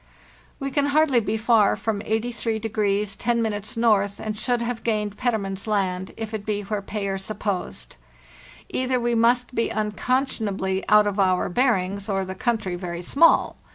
. "We can hardly be far from 83° 10' N., and should have gained Petermann's Land if it be where Payer supposed. Either we must be unconscionably out of our bearings, or the country very small.